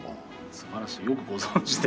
素晴らしいよくご存じで。